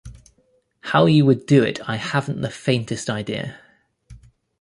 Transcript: How you would do it I haven't the faintest idea.